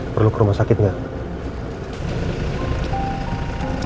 perlu ke rumah sakit nggak